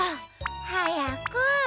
はやく。